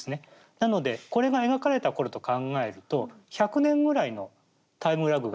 なのでこれが描かれた頃と考えると１００年ぐらいのタイムラグがあるんです。